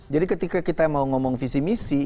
jadi ketika kita mau ngomong visi misi